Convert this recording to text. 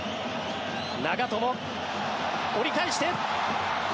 長友、折り返して。